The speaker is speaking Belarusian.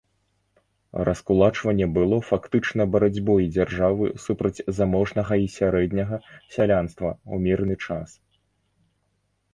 Раскулачванне было фактычна барацьбой дзяржавы супраць заможнага і сярэдняга сялянства ў мірны час.